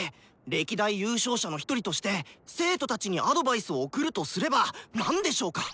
歴代優勝者の一人として生徒たちにアドバイスを送るとすれば何でしょうか？